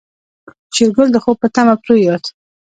شېرګل د خوب په تمه پرېوت.